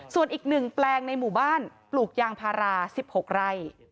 ส่วนอีก๑แปลงในหมู่บ้านปลูกยางพารา๑๖ไร่